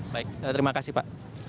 baik terima kasih pak